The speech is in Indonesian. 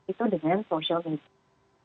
itu dengan social media